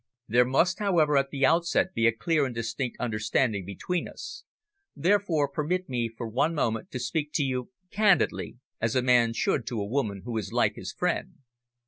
"There must, however, at the outset be a clear and distinct understanding between us. Therefore permit me for one moment to speak to you candidly, as a man should to a woman who is his friend.